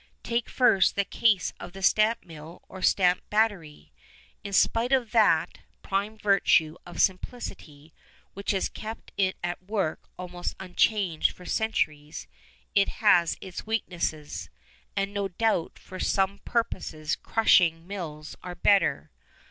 Take first the case of the stamp mill or stamp battery. In spite of that prime virtue of simplicity which has kept it at work almost unchanged for centuries, it has its weaknesses, and no doubt for some purposes crushing mills are better.